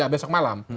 ya besok malam